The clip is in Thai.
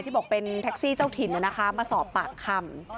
บอกเป็นแท็กซี่เจ้าถิ่นมาสอบปากคำ